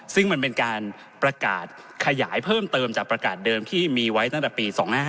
ซึ่งมันเป็นการประกาศขยายเพิ่มเติมจากประกาศเดิมที่มีไว้ตั้งแต่ปี๒๕๕